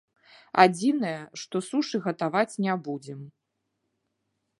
Адзінае, што сушы гатаваць не будзем.